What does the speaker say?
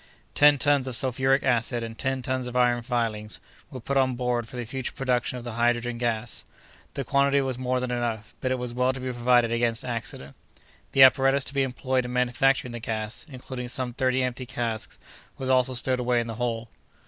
Ten tons of sulphuric acid and ten tons of iron filings, were put on board for the future production of the hydrogen gas. The quantity was more than enough, but it was well to be provided against accident. The apparatus to be employed in manufacturing the gas, including some thirty empty casks, was also stowed away in the hold.